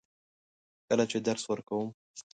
کله چې درس ورکوم.